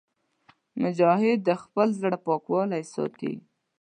مجاهد د خپل زړه پاکوالی ساتي.